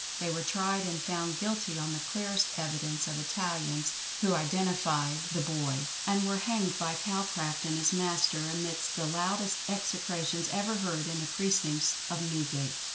They were tried and found guilty on the clearest evidence of Italians who identified the boy, and were hanged by Calcraft and his master amidst the loudest execrations ever heard in the precincts of Newgate.